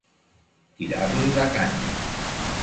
Tirar-li la canya.